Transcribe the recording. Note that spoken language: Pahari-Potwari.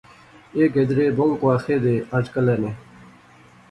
ایہہ گدرے بہوں کواخے دے اج کلے نے